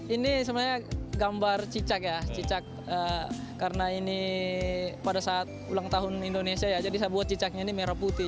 ini sebenarnya gambar cicak ya cicak karena ini pada saat ulang tahun indonesia ya jadi saya buat cicaknya ini merah putih